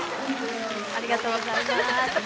ありがとうございます。